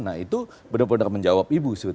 nah itu benar benar menjawab ibu